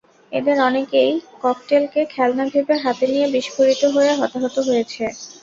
এদের অনেকেই ককটেলকে খেলনা ভেবে হাতে নিয়ে বিস্ফোরিত হয়ে হতাহত হয়েছে।